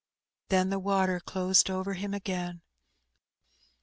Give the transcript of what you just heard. " then the water closed over him again.